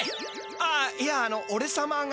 あっいやあのおれさまが。